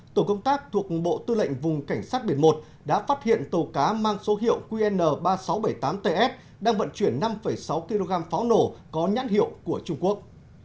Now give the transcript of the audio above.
tổ công tác thuộc bộ tư lệnh vùng cảnh sát biển một đã phát hiện tàu cá mang số hiệu qn ba nghìn sáu trăm bảy mươi tám ts đang vận chuyển năm sáu kg pháo nổ có nhãn hiệu của trung quốc